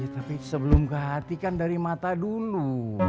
tapi sebelum ke hati kan dari mata dulu